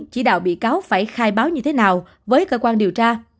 chỉ đạo bị cáo phải khai báo như thế nào với cơ quan điều tra